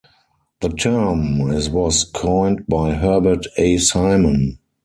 The term is was coined by Herbert A. Simon.